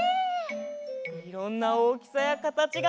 いろんなおおきさやかたちがあるんだね。